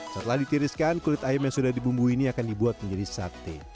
setelah ditiriskan kulit ayam yang sudah dibumbui ini akan dibuat menjadi sate